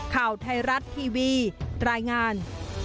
ข่าวไทยรัฐทีวีรายงาน